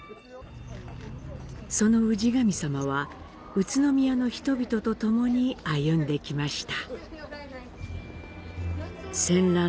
その氏神さまは、宇都宮の人々とともに歩んできました。